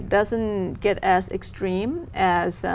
đây không phải là